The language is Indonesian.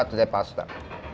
itu tidak berbohongan